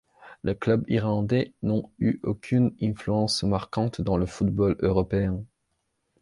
Les clubs irlandais n’ont eu aucune influence marquante dans le football européen.